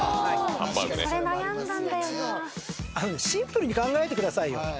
シンプルに考えてくださいよ。